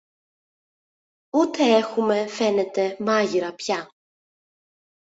ούτε έχουμε, φαίνεται, μάγειρα πια.